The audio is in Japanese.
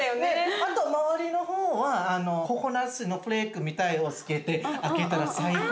あと回りの方はココナツのフレークみたいをつけて揚げたら最高。